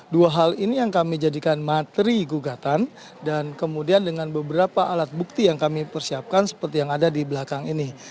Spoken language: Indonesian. dua hal ini yang kami jadikan materi gugatan dan kemudian dengan beberapa alat bukti yang kami persiapkan seperti yang ada di belakang ini